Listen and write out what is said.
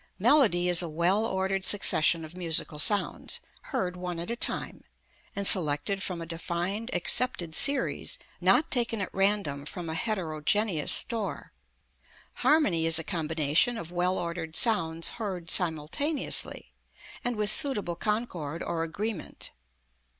Melody is a well ordered succession of musical sounds, heard one at a time, and selected from a defined, accepted series, not taken at random from a heterogeneous store. Harmony is a combination of well ordered sounds heard simultaneously, and with suitable concord, or agreement.